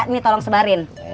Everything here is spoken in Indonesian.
ini tolong sebarin